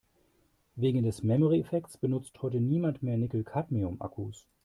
Wegen des Memory-Effekts benutzt heute niemand mehr Nickel-Cadmium-Akkus.